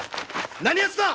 何やつだ！